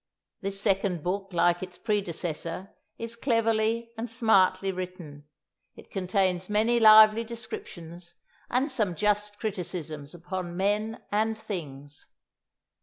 This second book, like its predecessor, is cleverly and smartly written; it contains many lively descriptions, and some just criticisms upon men and things.